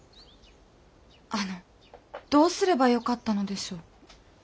あのどうすればよかったのでしょう？